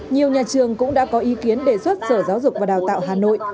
nhiều nhà trường cũng đã có ý kiến đề xuất sở giáo dục và đào tạo hà nội